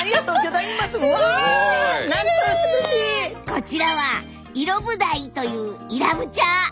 こちらはイロブダイというイラブチャー！